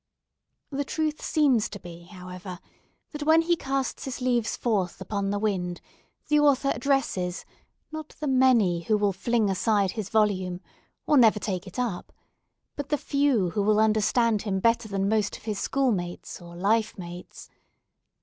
The truth seems to be, however, that when he casts his leaves forth upon the wind, the author addresses, not the many who will fling aside his volume, or never take it up, but the few who will understand him better than most of his schoolmates or lifemates.